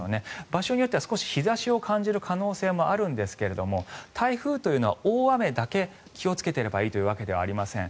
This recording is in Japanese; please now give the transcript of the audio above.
場所によっては少し日差しを感じる可能性もあるんですが台風というのは大雨だけ気をつけていればいいというわけではありません。